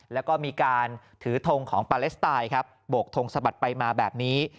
แล้วก็มีการถือทงของปาเลสไตล์ครับโบกทงสะบัดไปมาแบบนี้